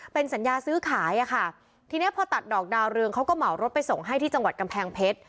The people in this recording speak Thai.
เป็นสัญญาซื้อขายอ่ะค่ะทีนี้พอตัดดอกดาวเรืองเขาก็เหมารถไปส่งให้ที่จังหวัดกำแพงเพชร